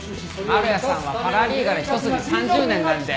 ああ丸屋さんはパラリーガル一筋３０年なんで。